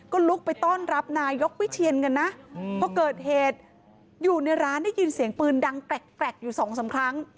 ก็ลุกไปต้อนรับนายกวิเชียนกันนะพอเกิดเหตุอยู่ในร้านได้ยินเสียงปืนดังแกรกอยู่สองสามครั้ง